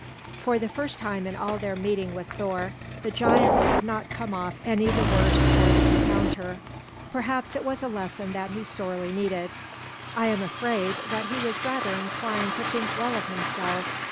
For the first time in all their meeting with Thor the giants had not come off any the worse for the encounter. Perhaps it was a lesson that he sorely needed. I am afraid that he was rather inclined to think well of himself.